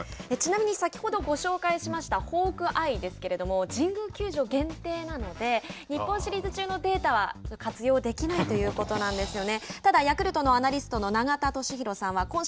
ちなみに先ほどご紹介しましたホークアイですけれども神宮球場限定なので日本シリーズ中のデータは活用できないということなんですよね。